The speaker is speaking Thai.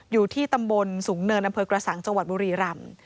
อยู่ที่ตำบลสูงเนินอำเภอกระสังจังหวัดบุรีรำ